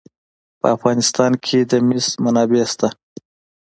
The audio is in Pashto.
په افغانستان کې د مس منابع شته.